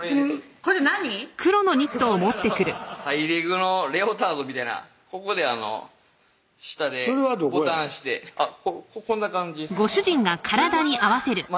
これハイレグのレオタードみたいなここで下でボタンしてこんな感じですそれ股？